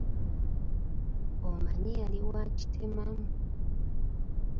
Omanyi yali wa kitemamu.